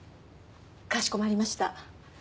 かしこまりました。